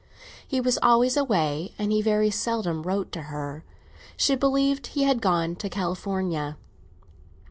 He was always away, and he very seldom wrote to her; she believed he had gone to California.